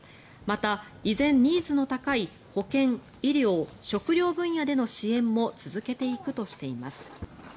また、依然ニーズの高い保健、医療、食料分野での支援も続けていくとしています。